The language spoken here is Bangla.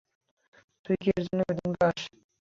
তুই কী এর জন্য বেতন পাস?